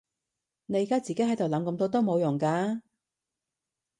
你而家自己喺度諗咁多都冇用㗎